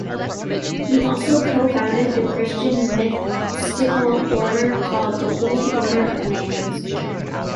He also co-founded the Christian mystical order called the The Holy Order of Mans.